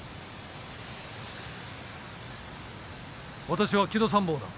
私は木戸参謀だ。